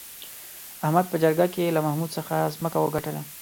احمد په جرگه کې له محمود څخه ځمکه وگټله